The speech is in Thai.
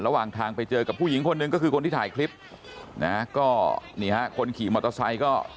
ระหว่างทางเจอกับผู้หญิงก็คือคนที่ถ่ายคลิปก็เนี่ยฮะคนขี่มอเตอร์ไซส์ก็